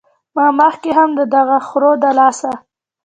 ما مخکښې هم د دغه خرو د لاسه